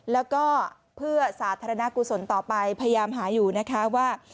แล้วก็เพื่อสาธารณกุศลต่อไปพยายามหาอยู่นะคะว่า